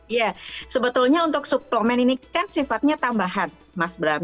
ya sebetulnya untuk suplemen ini kan sifatnya tambahan mas bram